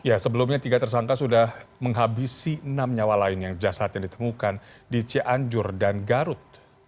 ya sebelumnya tiga tersangka sudah menghabisi enam nyawa lain yang jasadnya ditemukan di cianjur dan garut